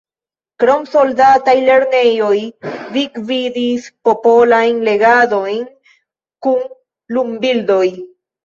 Krom soldataj lernejoj mi gvidis popolajn legadojn kun lumbildoj.